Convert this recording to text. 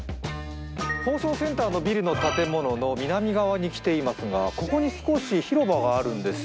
放送センターのビルの建物の南側に来ていますが、ここに少し広場があるんです。